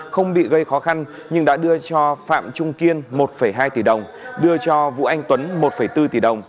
không bị gây khó khăn nhưng đã đưa cho phạm trung kiên một hai tỷ đồng đưa cho vũ anh tuấn một bốn tỷ đồng